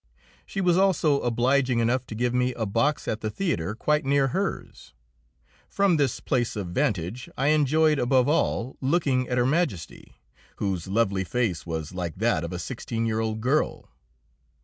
She was also obliging enough to give me a box at the theatre quite near hers. From this place of vantage I enjoyed, above all, looking at Her Majesty, whose lovely face was like that of a sixteen year old girl.